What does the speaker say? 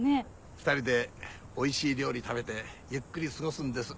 ２人でおいしい料理食べてゆっくり過ごすんです。